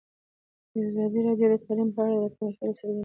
ازادي راډیو د تعلیم په اړه د راتلونکي هیلې څرګندې کړې.